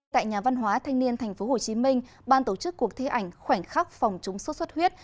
tại nhà văn hóa thanh niên tp hcm ban tổ chức cuộc thi ảnh khoảnh khắc phòng chống sốt xuất huyết